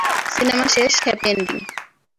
Cinema শেষ, happy ending.